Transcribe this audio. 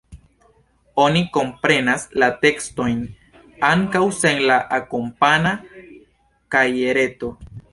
Oni komprenas la tekstojn ankaŭ sen la akompana kajereto.